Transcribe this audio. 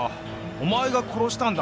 「お前が殺したんだ」？